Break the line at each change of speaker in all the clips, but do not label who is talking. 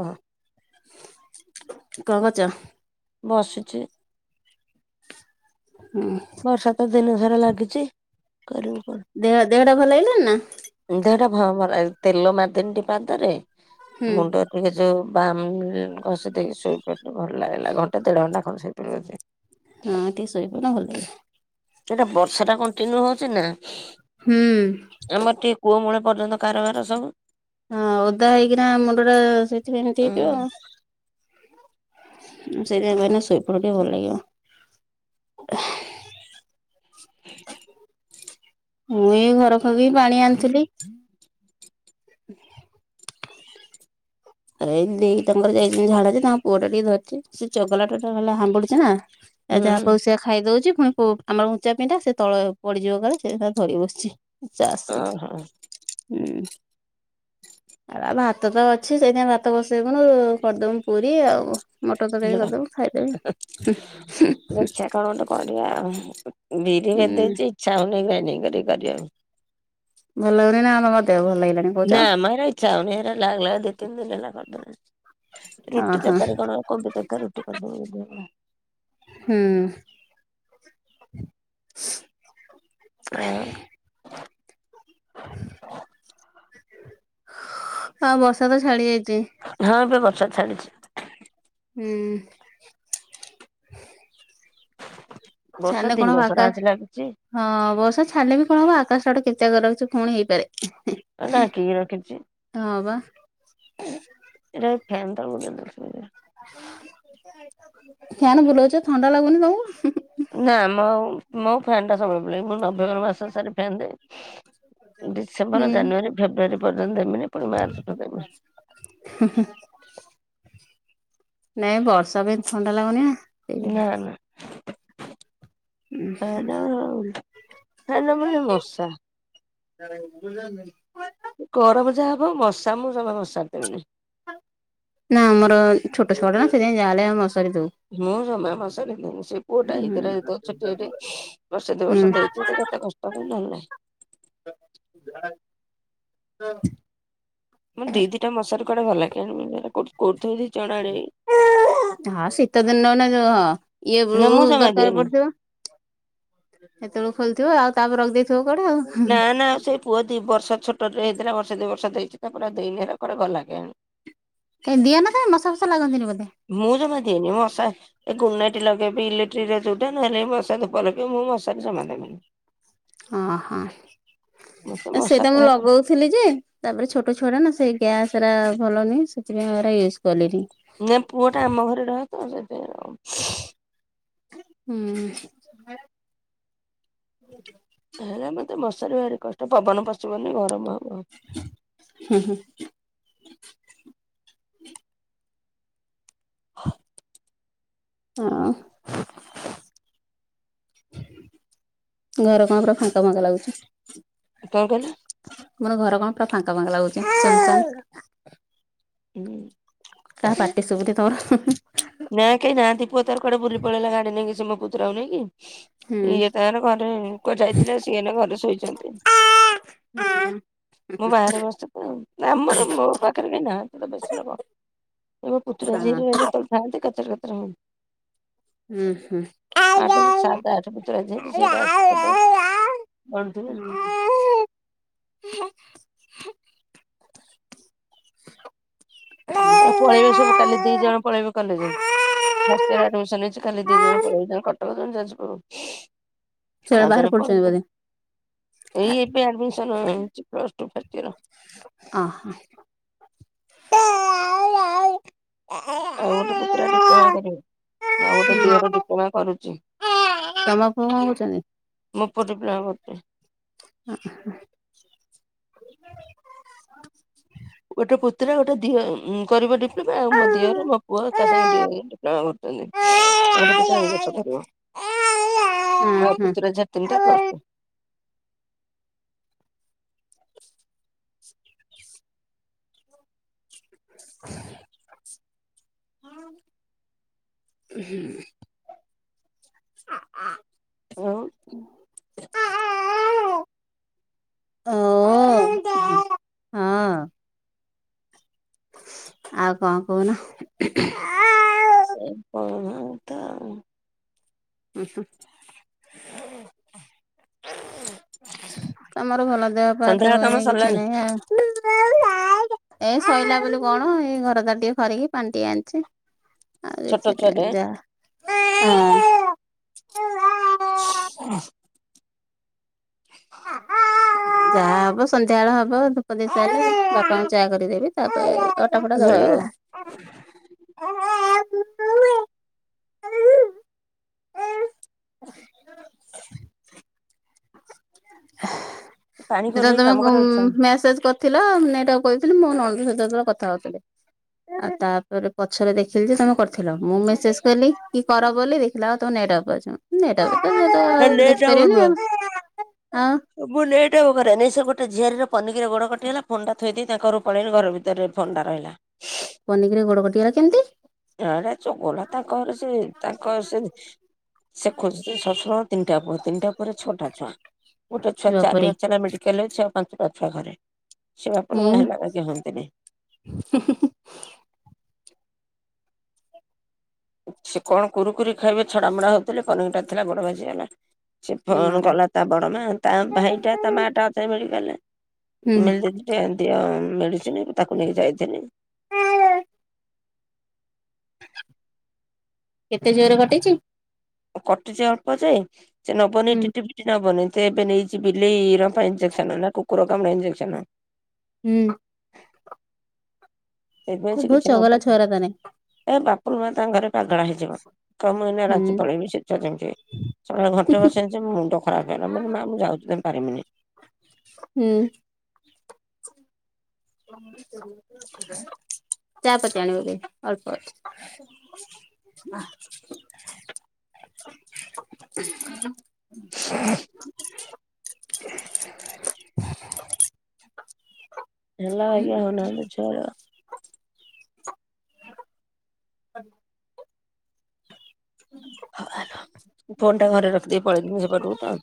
ବା।
କଗଛ
ବସିଚି
ହଁ।
ର ସାତ ଦିନ ଧଥର ଲାଗୁଚି।
ଦେହ ଦେହଟା ଭଲ ହେଇନି ନା।
ଦେହଟା ତେଲ ମାରିଦିନି ପାଦରେ
ହୁଁ
ମୁଣ୍ଡ ଠିକ ଅଛି ଯୋଉ ବାମ [unintelligible] ଭଲ ଲାଗିଲା ଘଣ୍ଟା ଦେଢ ଘଣ୍ଟା [unintelligible]
ହଁ ଟିକେ ଶୋଇ ପଡ।
ସେଇଟା ବର୍ଷା ଟା କଣ୍ଟିନ୍ୟୁ ହୋଉଚି ନା।
ହୁଁ।
ଆମର ଟିକେ କୂଅ ମୂଳ ପର୍ଯ୍ୟନ୍ତ କାରବାର ସବୁ।
ହଁ ଓଦା ହେଇକିନା ମୁଣ୍ଡ ଟା ସେଇଥିପାଇଁ ଏମିତି ହେଇଥିବ
ହୁଁ
ଆଉ। ସେଇଥି ପାଇଁ ଶୋଇପଡ଼ ଟିକେ ଭଲ ଲାଗିବ।
ହ [unintelligible]
ମୁଁ ଏଇ ଘର [unintelligible] ଫବ ପାଣି ଆଣିଥିଲି। ଏଇ ଦେଇ ତାଙ୍କର ଯାଇଛନ୍ତି ଝାଡ଼ା ଯେ ତାଙ୍କ ପୁଅ ଟା ଟିକେ ଧରିଚି ସେ ଚଗଲା ଟା ଟା ହେଲା ହମ୍ବୁଡିୁଚି ନା। ଯାହା
ହୁଁ
ପାଉଚି ସେଇଆ ଖାଇଦୋଉଚି ପୁଣି ଆମର ଉଞ୍ଚା ପିଣ୍ଡା ସେ ତଳେ ପଡ଼ିଯିବ କାଳେ ସେ ଧରି ବସିଚି। ସେ ଆସନ୍ତୁ,
ଓହୋ
ହୁଁ ଆ ଭାତ ତ ଅଛି ସେ ସେଇଥିଁ ପାଇଁ ଭାତ ବସାଇବୁନୁ କରିଦେବୁ ପୁରୀ ଆଉ। ମଟର ତରକାରୀ କରିଦେବୁ ଖାଇଦେବେ।
ଦେଖିଆ କଣ ଗୋଟେ କରିବା ଆଉ ବିରି
ହୁଁ
ଭଦେଇଚି ଇଚ୍ଛା ହୋଉନି ଗ୍ରାଇଣ୍ଡିଙ୍ଗ କରିକି କରିବାକୁ।
[unintelligible] ଦେହ ଭଲ ଲାଗୁନି।
ନା ମ ଏରା ଇଚ୍ଛା ହୋଉନି ଲାଗ ଲାଗ ଦୁଇ ତିନ ଦିନ ହେଲାଣି ରୁଟି
ଓହୋ
ତରକାରୀ କର କୋବି ତରକାରୀ ରୁଟି କରିଦେବୁ ଆଉ।
ହୁଁ।
ହଁ।
ଆ ବର୍ଷା ତ ଛାଡ଼ି ଯାଇଚି।
ହଁ ଏବେ ବର୍ଷା ଛାଡ଼ିଚି।
ହୁଁ।
ବର୍ଷା
ଛାଡିଲେ କଣ
ଦିନ ସାରା
ପାକା
ଆଜି ଲାଗିଛି।
[unintelligible] ହଁ ବର୍ଷା ଛାଡ଼ିଲେ ବି କଣ ହବ ଆକାଶ ଆଡେ କେଚେ କରି ରଖିଚି ପୁଣି ହେଇପାରେ।
ନାଗିକି ରହିଚି।
ହଁ ବା।
ଏଇଟା ଏ ଫ୍ୟାନ୍ ତଳେ [unintelligible]
ଫ୍ୟାନ ବୁଲୋଉଚ ଥଣ୍ଡା ଲାଗୁନି ତମକୁ?
ନା ମ ମୋ ଫ୍ୟାନ ଟା ସବୁବେଳେ ବୁଲାଇ ମୁ ନଭେମ୍ବର ମାସ ସାରୀ ଫ୍ୟାନ ଦିଏ
ହୁଁ
ଡିସେମ୍ବର, ଜାନୁଆରୀ, ଫେବୃୟାରୀ ପର୍ଯ୍ୟନ୍ତ ଏମିତି।
[unintelligible] ନାଇଁ ବର୍ଷା ବି ଥଣ୍ଡା ଲାଗୁନି ନା। ସେଇଥିପାଇଁ
ନା ନା [unintelligible] ଫ୍ୟାନ ନ ବୁଲିଲେ ମଶା।
[inaudible]
ଗରମ ଯାହା ହବ ମଶା ମୁଁ ଜମା ମସାରି ପାରିବିନି।
ନା ଆମର ଛୋଟ ଛୁଆଟେ ନା ସେଥିପାଇଁ ଯାହା ହେଲେ ଆମେ ମଶାରୀ ଦଉ।
ମୁଁ ଜମା ମଶାରୀ ଦିଏନି ସେ ପୁଅ ଡାଳି
ହୁଁ
କରା ହେଇଥିବ ଛୋଟିଆ ଟେ ବର୍ଷେ ଦୁଇ ବର୍ଷ ଦେଇଛି ତ କେତେ କଷ୍ଟ ତ ନହେଲେ ନାହିଁ।
[unintelligible]
ମୋର ଦି ଦିଟା ମଶାରୀ କୁଆଡ଼େ ଗଲା କେଜାଣି କୋଉଠି ଥୋଇ ଦେଇଛି ଚଣା ଆଡେ
ହଁ ଶୀତ ଦିନ ଏଇନା ହଁ ଇଏ
ନା ମୁଁ
ଗୁଳୁଗୁଳି
ଜମା
ଦରକାର
ଦିଏନି।
ପଡିଥିବ। ସେତେବେଳକୁ ଖୋଲିଥିବ ଆଉ ତାପରେ ରଖିଦେଇଥିବ କୁଆଡ଼େ ଆଉ।
ନା ନା ସେଇ ପୁଅ ଦି ବର୍ଷ ଛୋଟରେ ହେଇଥିଲା ବର୍ଷ ଦି ବର୍ଷ ଦେଇଛି ତା ପୁରା ଦେଇନି ହେରା କୁଆଡ଼େ ଗଲା କେଜାଣି।
କାଇଁ ଦିଅନା କାଇଁ ମଶା ଫଶା ଲାଗନ୍ତିନି ବୋଧେ?
ମୁଁ ଜମା ଦିଏନି ମଶା ଏ ଗୁଡନାଇଟ ଲଗେଇବି ଇଲେଟ୍ରିରେ ଯୋଉଟା ନହେଲେ ମଶା ଧୂପ ଲଗେଇବି ମୁଁ ମଶାରୀ ଜମା ଦେବିନି।
ଅହଁ
ମତେ
ଏ ସିଏ
ମଶା
ତାଙ୍କ ଲଗେଇ ଥିଲି ଯେ ତାପରେ ଛୋଟ ଛୁଆଟା ନା ସେଇ ଗ୍ୟାସ ଏରା ଭଲ ନାହିଁ ସେଥିପାଇଁ ଏଗୁରା ୟୁଜ୍‌ ପନିଲି
ନା ପୁଅ ଟା ଆମ ଘରେ ରହେ ତ ସେଥିପାଇଁ ଆଉ।
ହୁଁ। ସେ ଝାଡା
ହେଁ ମତେ ମଶାରୀ ଭାରି କଷ୍ଟ ପବନ ପଶିବନି ଗରମ ହବ।
ହୁଁ ହୁଁ। ଅ ଘର କଣ ପୁରା ଫାଙ୍କା ଫାଙ୍କା ଲାଗୁଚି?
କଣ କହିଲ?
ତମର ଘର କଣ ପୁରା ଫାଙ୍କା ଫାଙ୍କା ଲାଗୁଛି ଫାଙ୍କା।
ହୁଁ।
କାହା ପାଟି ଶୁଭୁଛି ତମର?
ନା କେହି ନାହାନ୍ତି ପୁଅ ତାର କଆଡେ ବୁଲି ପଳେଇଲା ଗାଡି ନେଇକି, ସେ ମୋ ପତୁରାକୁ ନେଇକି।
ହୁଁ।
ଇଏ ତାଙ୍କର ଘରେ କୁଆଡେ ଯାଇଥିଲେ ସିଏ ଏଇନା ଘରେ ଶୋଇଛନ୍ତି।
ହଁ
ମୁଁ ବାହାରେ ବସିଚି। ଆମର ମୋ ପାଖରେ କେହି ନାହାନ୍ତି ତ ବେଶି ଲୋକ। ଏବେ ପୁତୁରା ଝିଆରି ରହୁ ଖାଆନ୍ତି କେର୍ତେ କର୍ତେ ମୁଁ।
[inaudible] ଉଁ ହୁଁ।
ଆଠ ସାତ ଆଠ ପୁତୁରା କଣ ଧୋଇବେ?
[inaudible] [inaudible]
ପଳେଇବେ ସବୁ କାଲି ଦି ଜଣ ପଳେଇବେ କଲେଜ୍‌। ଫାଷ୍ଟ ଇୟର ଆଡମିସନ ହେଇଛି। କାଲି ଦି ଜଣ ପଳେଇବେ ଜଣେ କଟକ ଜଣେ ଯାଜପୁର।
ଛୁଆଗୁରା
ଆଉ
ବାହାରେ
ଜଣେ
ପଡୁଛନ୍ତି
ପଳେଇବେ।
ବୋଧେ
ଏଇ ଏବେ ଆଡମିସନ ହେଇଛି ପ୍ଲସ୍‌ ଟୁ ଫାଷ୍ଟେ ଇୟର।
ଅହ।
ଆଉ ଗୋଟେ ପୁତୁରା ଡିପ୍ଲୋମା କରିବ, ଆଉ ଗୋଟେ ଦିଅର ଡିପ୍ଲୋମା କରୁଛି।
ତମ ପୁଅ କଣ କରୁଚନ୍ତି?
ମୋ ପୁଅ ଡିପ୍ଲୋମା କରୁଚି।
ଆ ହଁ।
ଗୋଟେ ପୁତୁରା ଗୋଟେ ଦିଅ ଙ୍କର ଗୋଟେ ଅବିକା ଆଉ
ହୁଁ
ମୋ ଦିଅର, ମୋ ପୁଅ, ଏକା ସାଙ୍ଗେ
ହୁଁ।
ଦି ଜଣ ଆକ ଡିପ୍ଲୋମା
ଓ ହଁ
କରୁଚନ୍ତି। [unintelligible]
[inaudible]
ଆଉ ପତୁରା ଝିଆରି ତିନିଟା ପ୍ଲସଟୁ।
ହୁଁ [inaudible]
ହଉ
ଆଉ କଣ କହୁନ
ତ
ହୁଁ ହୁଁ ତମର ଭଲ ଦେହ ପାହା
ସନ୍ଧ୍ୟାବେଳ
ତମ
କାମ
ଏଣ କିଛି
ସରିଲାଣି
ନାହିଁ ଆଉ। ଏଇ ଶୋଇଲା ବୋଲ କଣ ଏଇ ଘର ତାର ଟିକେ ଖରିକି ପାଣି ଟିକେ ଆଣିଛି।
ଛୋଟ ଛୁଆଟେ
ଆଗ ଯା ହଁ
[inaudible]
ଯାହା ହବ ସନ୍ଧ୍ୟାବେଳେ ହବ ଆଉ ଧୂପ ଦେଇସାରିଲେ। ବାପାଙ୍କୁ ଚାହା କରିଦେବି ତାପରେ ଅଟା। ଟା ଫଟା
ହଁ
ଦଳିବି ଆଉ। [inaudible]
ପାଣି
ସେଟା
କୋହଲେଇ କାମ
ତମେ
କରିବାକୁ ଇଚ୍ଛା ହଉନି
ମେସେଜ ଥିଲା ନେଟ ଅଫ୍ କରିଥିଲି, ମୋ ନଣନ୍ଦ ସହିତ ସେତେବେଳେ କଥା ହଉଥିଲି। ଆଉ ତାପରେ ପଛରେ ଦେଖିଲି ଯେ ତମେ କରିଥିଲ ମୁଁ ମେସେଜ କଲିି କି କର ବୋଲି। ଥିଲା ଆଉ ତ ନେଟ ଅଫ୍ ଅଛି।
ହେ
[unintelligible] ଦେଖିପାରିବନି ଆଉ
ମୁଁ ନେଟ ଅନ କରେ ନାଇ ସେ ଗୋଟେ ଝିଆରୀର ପନିକିରେ ଗୋଡ କଟିଗଲା। ଫୁନଟା ଥୋଇ ଦେଇ ତାଙ୍କ ଘରକୁ ପଳେଇଲି ଘର ଭିତ। ଭତରେ ଫୋନଟା ରହିଲା।
ପନିକିରେ ଗୋଡ଼ କଟିକଲା କେମିତି।
ଝିଅଟା ଚଗୋଲା ତାଙ୍କରେ ସେ ତାଙ୍କ ସେ ସେ ଖୋଯୁଛି ଶଶୁରଳ ତିନିଟା ପରେ ତିନିଟା ପରେ ଛଅଟା ଛୁଆ। ଗୋଟେ ଛୁଆ
ଏ
ଚାରି
ବାପରେ
ମାସ ହେଲା ମେଡିକାଲରେ ଅଛି ଆଉ ପାଞ୍ଚଟା ଛୁଆ ଘରେ ସେଏ
ହୁଁ
ବାପର ହେଲା ବାଗି ହଅନ୍ତିନି। ସେ କଣ କୁରୁକୁୁରି ଖାଇବେ ଛଡ଼ାମଡ଼ା ହଉଥିଲେ ପନିକିଟା ଥିଲା ଗୋଡ଼ ବାଜିଗଲା। ସେ ଫୋନ
ଏମାଲୋ
କଲା ତା ବଡ ମା ତା ଭାଇଟା ତା ମା ଟା ଥିଲେ ବୋଲି ଗଲେ।
ହୁଁ
ମିଲିଦିଦିଟେ ଦିଅ ମେଡିସିନି ତାକୁ ନେଇକି ଯାଇଥିନି।
କେତେ ଜୋରେ କଟିଛି?
କଟିଛି ଅଳ୍ପ ଯେ ସେ ନବନି
ହୁଁ
ଟିଟି ଟିଟି ନବନୀ ତଏବେ ନେଇଛିି ବିଲେଇ ର ପାଇଁ ଇଞ୍ଜେକ୍ସନ ନା କୁକୁର କାମୁଡ଼ା ଇଞ୍ଜେକ୍ସନ।
ହୁଁ।
ସେଇଥିପାଇଁ
ଖୁବ
ସେ
ବହୁତ
କିଛି
ଚଗଲା
ନବନି।
ଛୁଆରା ତାନେ।
ଏ ବାପୁରୁ ମା ତାଙ୍କ ଘରେ ପାଗଳ ହେଇଯିବ କହିବ ମୁଁ ଏଇନା
ହୁଁ
ରାଞ୍ଚି ପଳେଇବି ସେ ଛୁଆରା ଯେମିତି। [unintelligible] ଘଣ୍ଟେ ବସିଲିଯେ ମୋ ମୁଣ୍ଡ ଖରାପ ହେଇଗଲା। ମାନେ ମାଆ ମୁଁ ଯାଉଛି ତ ପାରିବିନି।
ହୁଁ। ଚା ପତୀ ଆଣିବ ବି ଅଳ୍ପ। [unintelligible]
ହେଲା ବାଗେ ହଉନାହାନ୍ତି ଛୁଆ ଗୁଡ଼ାକ।
[inaudible]
ହଁ ଫୋନ ଟା ଘରେ ରଖିଦେଇ ପଳେଇଥିନି ମୁଁ ସେ ପଟକୁ ତ।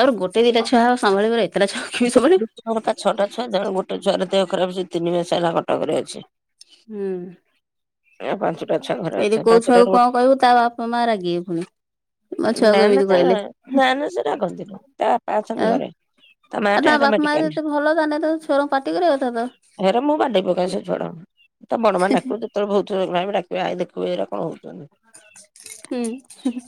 ତାପର ଗୋଟେ ଦିଟା ଛୁଆ ହଁ ସମ୍ଭଳିିବ ପରେ ଏତଟା ଛଆ କିିଏ ଆମ୍ଭାଳିବ।
ତାର ପା ଛଅଟାଛୁଆ ଜଣ ଗୋଟେ ଛଆ ଦେ ଖପ ଅଛି ତିନି ମାସ ହେଲା କଟକରେ ଅଛି।
ହୁଁ।
ଆଉ ପାଞ୍ଚଟା ଛୁଆ ଘରେ
ଯଦି
ଅଛନ୍ତି
କୋଉ ଛୁଆକୁ
ପାଞ୍ଚଟାରୁ ଗୋ
କଣ କହିବୁ ତା ବାପା ମା ରାଗିବେ ପୁଣି। ମୋ ଛୁଆକୁ
ନା, ନା,
ଏମିତି
ତା
କହିଲେ
ନା, ନା ସେ ରାଗନ୍ତିନି ତା ବାପା ଅଛନ୍ତି
ଆଉ
ଘରେ। ମା
ଆଉ
ଟା
ତା
ଏକା
ବାପା ମାଆ
ମେଡିକାଲରେ
ଯଦି ଭଲ ତାନେ ଛଆରାଙ୍କୁ ପାଟି କରିବା କଥା ତ?
ହେରେ ମୁଁ ବାଡେଇ ପକାଏ ସେ ଛୁଆଗୁଡାଙ୍କୁ ତା ବଡମାଆ ଡାକିବ ଯେ ସେତେବେଳେ ବହୁତ ଥର [unintelligible] ଡାକିବେ ଆଇଲ୍ ଦେଖିବୁ ଏଇରା କଣ ହଉଚନ୍ତି।
ହୁଁ ହୁଁ ହୁଁ।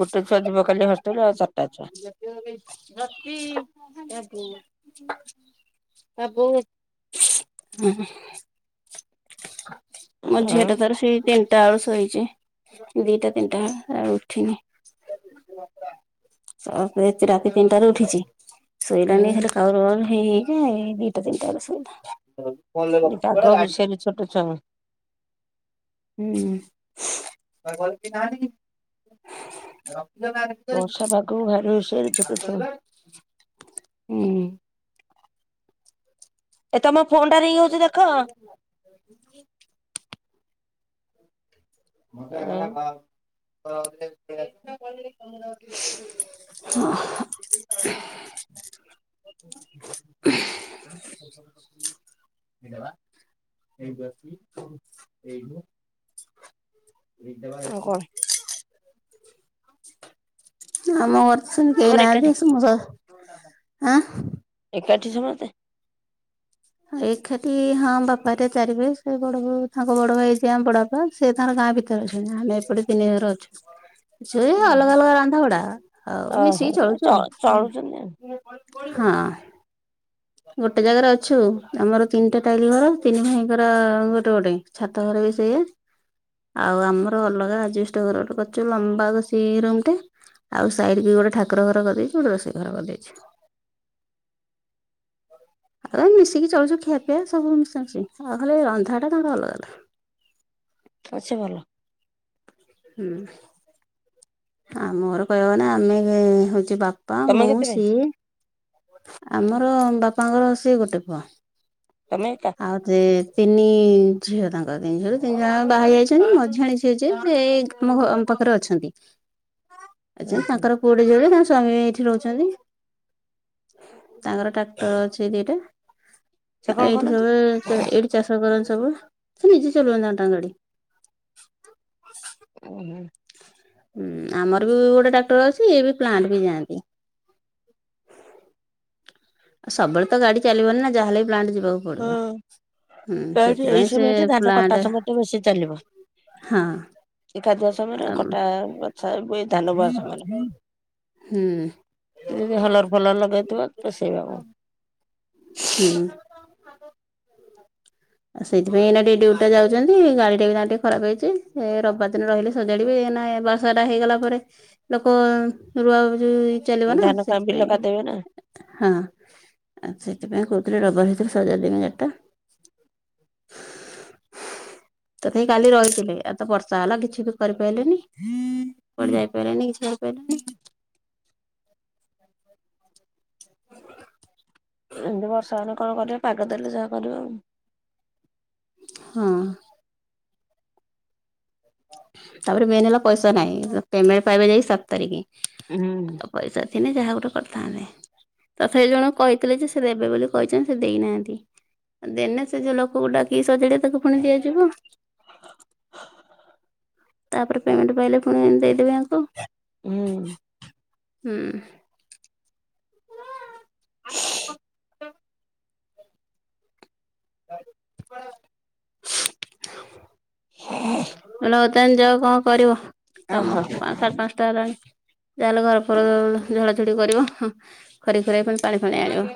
ଗୋଟେ ଛୁଆ ଯିବ ଖାଲି ହଷ୍ଟେଲ ଆଉ ଚାରଟା ଛୁଆ।
ଯଦିଓ ଆମେ ଯଦି [unintelligible] ତା ବୋଉ ହୁଁ ହୁଁ। ମୋ
ଛୁଆ
ଝିଅଟା ତାର ସେଇ ତିନ୍ ଟା ବେଳୁ ଶୋଇଛି ଦିଟା ତିନିଟା ଆଉ ଉଠିନି। ତ ପେ ସେ ରାତି ତିନିଟାରୁ ଉଠିଛି। ଶୋଇଲାଣିି ଖାଲି
ଉଁ
କାଉରୁ କାଉରୁ ହେଇ ହେଇକି ଏଇ ଦିଟା ତିନିଟା ବେଳେ ଶୋଇଲା।
ତାଙ୍କ ବିଷୟରେ ଛୋଟ ଛୁଆ।
ହୁଁ।
ବର୍ଷା ପାଗକୁ ଭାରି ହୁସିଆରି ଛୋଟ ଛୁଆ।
ହୁଁ ହୁଁ।
ଏ ତମ ଫୋନଟା ରିଙ୍ଗ୍ ହଉଚି ଦେଖ।
ମତେ ବା
ଆଉ
କହିଲା ଘ ହଁ।
ହୁଁ।
ଏଇଟା ବା ଏଇଠୁ ଆସଚି [unintelligible] ଏଇଠୁ। ଏଇଟା ବା
ଆଉ କଣ
ଏଇଠୁ। ଆମ ଘରେ ତ କେହି
ମୋର ଏକାଠି
ନାହାନ୍ତି ସମସ୍ତେ ଆଁ?
ଏକାଠି ସମସ୍ତେ?
ଏଖାଠି ହଁ ବାପା ହରିକା ଚାରି ଭାଇ ସେ ବଡବୋଉ ତାଙ୍କ ବଡ ଭାଇ ଯିଏ ଆମ ବଡବାପା। ସେ ତାଙ୍କର ଗାଁ ଭିତରେ ଅଛନ୍ତି ଆମେ ଏପଟେ ତିନି ଘର ଅଛୁ। ସେ ଅଲଗା ଅଲଗା ରାନ୍ଧା ଗୁଡା ଆଉ
ଓହୋ
ମିଶିକି ଚଳୁଚୁ ଆଉ
ଚଳୁଛନ୍ତି ଆଉ
ହୁଁ। ହଁ। ଗୋଟେ ଜାଗାରେ ଅଛୁ ଆମର ତିନିଟା ଟାଇଲି ଘର ତିନି ଭାଇଙ୍କର ଗୋଟେ ଗୋଟେ। ଛାତ ଘର ବି ସେଇଆ। ଆଉ ଆମର ଅଲଗା ଆଜବେଷ୍ଟେ ଘର ଗୋଟେ କରଚୁ ଲମ୍ବା ରୋଷେଇ ରୁମ ଟେ। ଆଉ ସାଇଡି କି ଗୋଟେ ଠାକୁର ଘର କରିଦେଇଚୁ ଗୋଟେ ରୋଷେଇ ଘର କରିଦେଇଛି। ଆଉ ଆମେ ମିଶିକି ଚଳୁଛୁ ଖିଆପିଆ ସବୁ ମିଶା ମିଶି ଆଉ ଖାଲି ରନ୍ଧାଟା ତାଙ୍କ ଅଲଗା ଅଲଗା।
ଆଉ ସିଏ ଭଲ।
ହୁଁ ଆମ ଘର କହିଆକୁ ଗନେ ଆମେ ହଉଛୁ ବା ପା
ତମେ
ମୁଁ
କେତେ ଭାଇ
ସିଏ ଆମର ବାପାଙ୍କର ସିଏ ଗୋଟେ ପୁଅ।
ତମେ ଏକା?
ଯେ ତିନି ଝିଅ ତାଙ୍କର ତିନି ଝିଅ ରୁ ତିନି ଜଣ ବାହା ହେଇ ଯାଇଛନ୍ତି ମଝିଆଣି ଝିଅ ଯିଏ ସିଏ ଏଇ ଆମ ଘ ଆମ ପାଖରେ ଅଛନ୍ତି ଅଛନ୍ତି
ଓହୋ
ତାଙ୍କର ପୁଅଟେ ଝିଅଟେ ତାଙ୍କ ସ୍ୱାମୀ ଏଇଠି ରହୁଛନ୍ତି। ତାଙ୍କର ଟ୍ରାକ୍ଟର ଅଛି ଦିଟା
ସେ
ଆଉ
କଣ
ଏଇଠି
କରନ୍ତି
ସବୁ ଚ ଏଇଠି ଚାଷ କରନ୍ତି ସବୁ ସେ ନିଜେ ଚଲଉ ନାହାନ୍ତି ତାଙ୍କ ଗାଡି।
ଓହୋ।
ହୁଁ ଆମର ବି ଗୋଟେ ଟାକ୍ଟର ଅଛି ଇଏ ବି ପ୍ଲାଣ୍ଟ ବି ଯାଆନ୍ତି। ଆଉ ସବୁବେଳେ ତ ଗାଡି ଚାଲିବନି ନା ଯାହା ହେଲେ ବି ପ୍ଲାଣ୍ଟ ଯିବାକୁ ପଡିବ
ହଁ
ହୁଁ
ଏଇ
ସେଥିପାଇଁ
ସମୟରେ
ସିଏ
ଧାନ କଟା
ପ୍ଲାଣ୍ଟ
ସମୟ ଟା ବେଶୀ ଚାଲିବ
ହଁ।
ଏ କାଦୁଆ ସମୟରେ କଟା ବଛା ବ ଏ
ହୁଁ ହୁଁ ହୁଁ।
ସେ ଯଦି ହଲର୍ ଫଲର୍ ଲଗାଇଥିବ ପଷେଇବାକୁ।
ହୁଁ। ଆଉ ସେଥିାଇଁ ଟିକେ ଡିଉଟି ଟା ଯାଉଛନ୍ତି ଗାଡି ଟା ବି ତାଙ୍କର ଟିକେ ଖରାପ ହେଇଛି ରବିବାର। ଦିନ ରହିଲେ ସଜାଡ଼ିବେ ଏନା ବର୍ଷାଟା ହେଇଗଲା ପରେ ଲୋକ ରୁଆ ଚାଲିବ ନା
ଧାନ କା ବିଲ
ସେଥିପାଇଁ
କାଦେଇବେ ନା
ହଁ। ଆଉ ସେଥିପାଇଁ କହୁଥିଲେ ରବିବାର ଦିନ ସଜାଡି ଦେମି ଗାଡିଟା। ତଥାପି କାଲି ରହିଥିଲେ ଆଉ ତ ବର୍ଷା ହେଲା କିଛି ବି କରି ପାଇଲେନି। କୁଆଡେ ଯାଇ ପାଇଲେନି କି କରି ପାରିଲେନି। ହ ହ
ଏମିତି ବର୍ଷା ହେଲେ କଣ କରିବେ ପାଗ ଦେଲେ ଯାହା କରିବେ ଆଉ।
ହଁ। ତାପରେ ମେନ୍ ହେଲା ପଇସା ନାହିଁ ପେମେଣ୍ଟ ପାଇବେ ଯାଇକି ସାତ ତାରିଖ।
ହୁଁ।
ଆଉ ପଇସା ଥିନେ ଯାହା ଗୋଟେ କରିଥାନ୍ତେ। ତଥାପି ଜଣକୁ କହିଥିଲେ ଯେ ସେ ଦେବେ ବୋଲି କହିଛନ୍ତି ସେ ଦେଇନାହାନ୍ତି। ଆଉ ଦେନେ ସେ ଯୋଉ ଲୋକ କୁ ଡାକିଲି ସଜାଡାବେ ତାକୁ ପୁଣି ଦିଆଯିବ। ତାପରେ ପେମେଣ୍ଟ ପାଇଲେ ପୁଣି ଦେଇଦବି ଆକୁ
ହୁଁ
ହୁଁ ‌। ଆଉ। କେମିତି ଆଉ କଣ କରିବ କାମ
ଓହୋ।
ପାଂଶ ସାଡେ ପାଂଶଟା ହେଲାଣୀ ଯା ହେଲେ ଘର ଫର ଝଡା ଝଡି କରିବ ହୁଁ। ଖରି ଖୁରା କରି ପାଣି ଫାଣି ଆଣିବ।